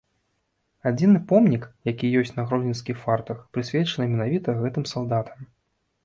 Адзіны помнік, які ёсць на гродзенскіх фартах, прысвечаны менавіта гэтым салдатам.